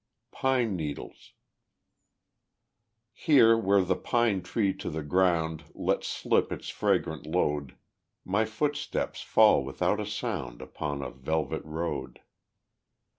Pine Needles Here where the pine tree to the ground Lets slip its fragrant load, My footsteps fall without a sound Upon a velvet road.